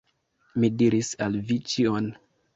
Mi diris al vi ĉion.